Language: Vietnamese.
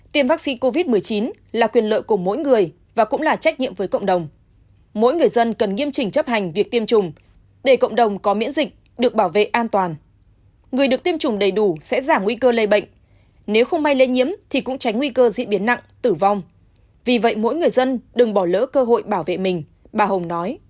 tiêm chủng vaccine phòng chống covid một mươi chín như hiện nay là quyền lợi của người dân người dân được tiêm